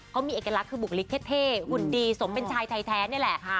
เขามีเอกลักษณ์คือบุคลิกเท่หุ่นดีสมเป็นชายไทยแท้นี่แหละ